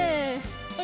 はい。